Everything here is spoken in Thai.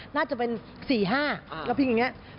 น่าจะเป็น๔๕แล้วพิมพ์อย่างนี้